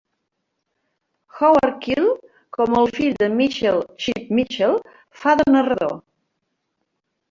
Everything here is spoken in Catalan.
Howard Keel, com el fill de Mitchell "Xip Mitchell", fa de narrador.